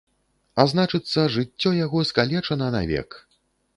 А значыцца, жыццё яго скалечана навек.